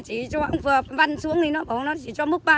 có chỗ hồng được thành sáu m vào